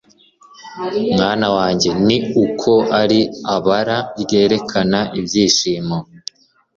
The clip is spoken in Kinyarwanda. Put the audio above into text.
mwana wanjye ni uko ari abara ryerekana ibyishimo